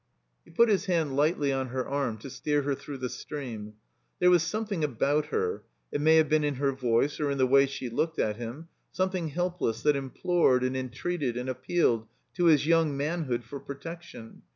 He put his hand lightly on her arm to steer her through the stream. There was something about her — it may have been in her voice, or in the way she looked at him — something helpless that implored and entreated and appealed to his yotmg manhood for protection.